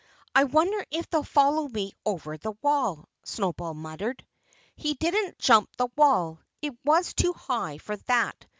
"I wonder if they'll follow me over the wall!" Snowball muttered. He didn't jump the wall. It was too high for that.